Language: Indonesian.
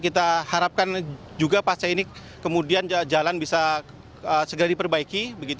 kita harapkan juga pasca ini kemudian jalan bisa segera diperbaiki